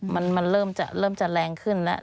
มันเริ่มจะแรงขึ้นแล้ว